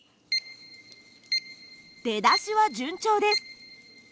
出だしは順調です。